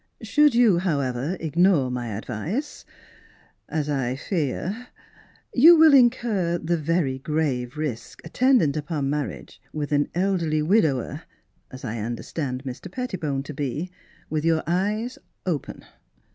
Should you, however, ignore my advice, as I fear — you will incur the very grave risk attend ant upon marriage with an elderly wid [ 5 ] Miss Philura's Wedding Gown ower (as I understand Mr. Pettibone to be) with your eyes open.